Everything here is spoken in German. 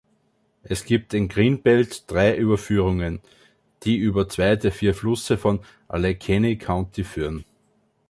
Es gibt in Green Belt drei Überführungen, die über zwei der vier Flüsse von Allegheny County führen.